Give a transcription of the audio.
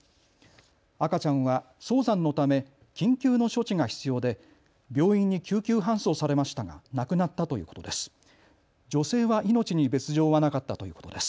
赤ちゃんは早産のため緊急の処置が必要で病院に救急搬送されましたが亡くなったということです。